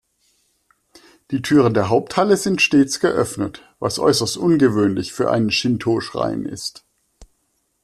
Die Türen der Haupthalle sind stets geöffnet, was äußerst ungewöhnlich für einen Shintō-Schrein ist.